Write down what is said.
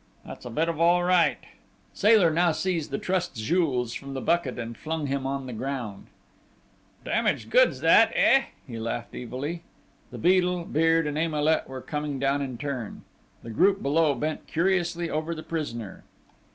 "That's a bit of all right!" Sailor now seized the trussed Jules from the bucket and flung him on the ground. "Damaged goods, that eh?" he laughed evilly. The Beadle, Beard, and Emilet were coming down in turn. The group below bent curiously over the prisoner.